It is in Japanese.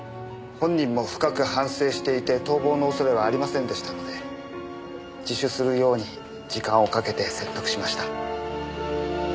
本人も深く反省していて逃亡の恐れはありませんでしたので自首するように時間をかけて説得しました。